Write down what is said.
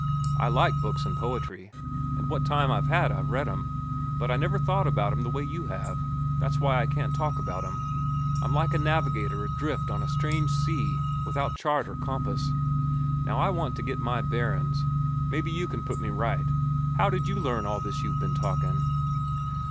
I like books and poetry, and what time I've had I've read 'em, but I've never thought about 'em the way you have. That's why I can't talk about 'em. I'm like a navigator adrift on a strange sea without chart or compass. Now I want to get my bearin's. Mebbe you can put me right. How did you learn all this you've ben talkin'?"